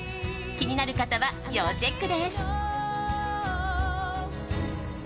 気になる方は要チェックです。